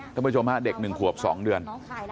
ก็ไปชมฮะเด็ก๑ขวบ๒เดือน